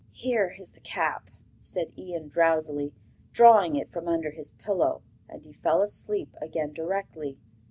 'Here is the cap,' said Ian drowsily, drawing it from under his pillow. And he fell asleep again directly.